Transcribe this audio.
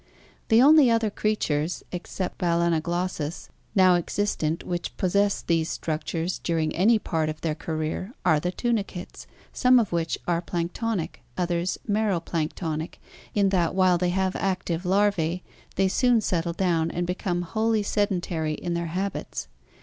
The only other creatures (except Balanoglossus, see page 474) now existent which possess these structures during any part of their career are the tunicates, some of which are planktonic, others mero planktonic, in that while they have active larvae they soon settle down and become wholly sedentary in their habits.